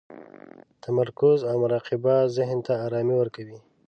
تمرکز او مراقبه ذهن ته ارامي ورکوي.